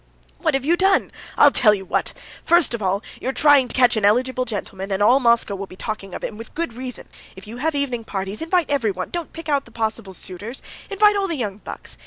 "What have you done? I'll tell you what. First of all, you're trying to catch an eligible gentleman, and all Moscow will be talking of it, and with good reason. If you have evening parties, invite everyone, don't pick out the possible suitors. Invite all the young bucks.